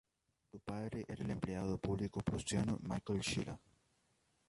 Su padre era el empleado público prusiano Michael Schiller.